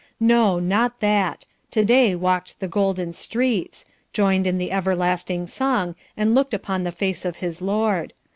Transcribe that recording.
No, not that! To day walked the golden streets joined in the everlasting song, and looked upon the face of his Lord.